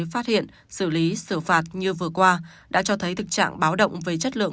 phát hiện xử lý xử phạt như vừa qua đã cho thấy thực trạng báo động về chất lượng